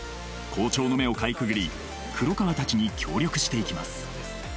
校長の目をかいくぐり黒川たちに協力していきます